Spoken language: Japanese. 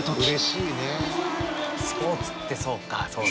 スポーツってそうか。